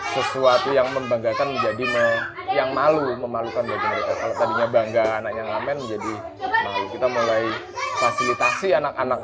sesuatu yang membagakan menjadi yang malu memalukan jadi kita mulai fasilitasi anak anak